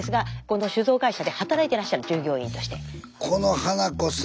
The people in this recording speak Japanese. この酒造会社で働いてらっしゃる従業員として。